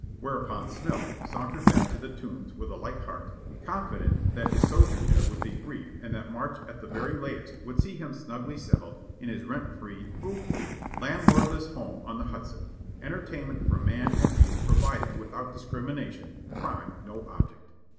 Whereupon Smilk sauntered back to the Tombs with a light heart, confident that his sojourn there would be brief and that March at the very latest would see him snugly settled in his rent free, food free, landlordless home on the Hudson, entertainment for man and beast provided without discrimination, crime no object.